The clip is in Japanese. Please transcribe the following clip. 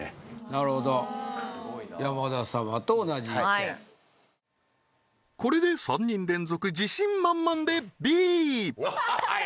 なるほど山田様と同じ意見はいこれで３人連続自信満々でＢはははっ